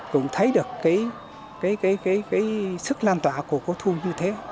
cũng thấy được cái sức lan tỏa của cô thu như thế